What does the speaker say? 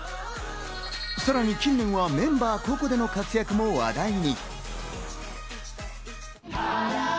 さらに近年はメンバー個々での活躍も話題に。